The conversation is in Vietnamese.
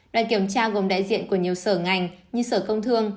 đoàn kiểm tra gồm đại diện của nhiều sở ngành như sở công thương